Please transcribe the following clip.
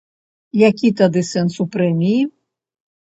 Які тады сэнс у прэміі?